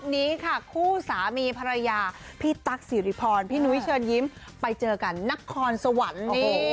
วันนี้ค่ะคู่สามีภรรยาพี่ตั๊กสิริพรพี่นุ้ยเชิญยิ้มไปเจอกันนครสวรรค์